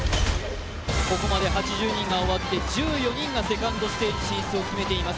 ここまで８０人が終わって、１４人がセカンドステージ進出を決めています。